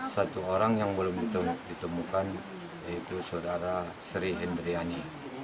satu orang yang belum ditemukan yaitu saudara sri hindriani